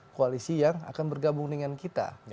koalisi yang akan bergabung dengan kita